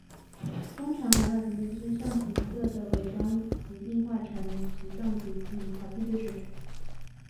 通常海马凭借身上体色的伪装及硬化成皮状的皮肤以逃避掠食者。